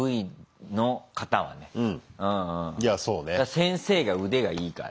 先生が腕がいいから。